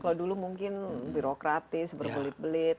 kalau dulu mungkin birokratis berkulit belit